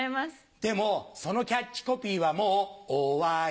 でもそのキャッチコピーはもうオワリ。